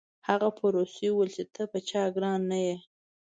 هغه په روسي وویل چې ته په چا ګران نه یې